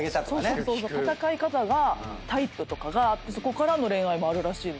戦い方がタイプとかがあってそこからの恋愛もあるらしいです。